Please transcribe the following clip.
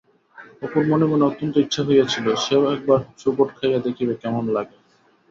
অপুর মনে মনে অত্যন্ত ইচ্ছা হইয়াছিল সেও একবাব চুবুট খাইয়া দেখিবে, কেমন লাগে।